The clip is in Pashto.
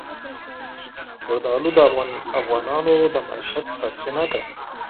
زردالو د افغانانو د معیشت سرچینه ده.